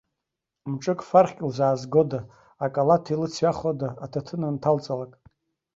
Мҿык-фархьк лзаазгода, акалаҭ илыцҩахода аҭаҭын анҭалҵалак.